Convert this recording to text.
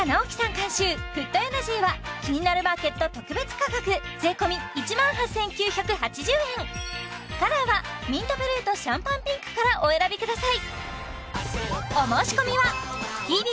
監修フットエナジーは「キニナルマーケット」特別価格税込１万８９８０円カラーはミントブルーとシャンパンピンクからお選びください